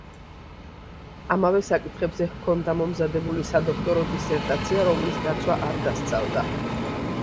ამავე საკითხებზე ჰქონდა მომზადებული სადოქტორო დისერტაცია, რომლის დაცვა არ დასცალდა.